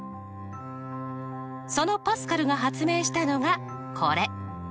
そのパスカルが発明したのがこれ。